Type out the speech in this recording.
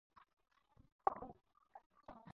استاد د وطن جوړوونکی دی.